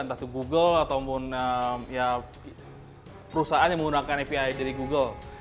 entah itu google ataupun perusahaan yang menggunakan api dari google